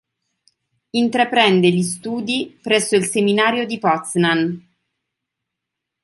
Intraprende gli studi presso il seminario di Poznań.